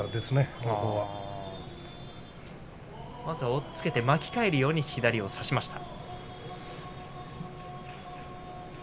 押っつけて巻き替えるように左を差しました。